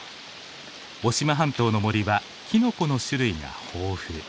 渡島半島の森はキノコの種類が豊富。